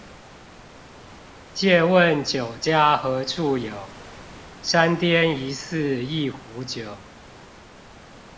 借問酒家何處有，山巔一寺一壺酒